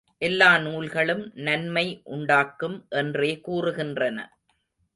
எல்லா நூல்களும் நன்மை உண்டாக்கும் என்றே கூறுகின்றன.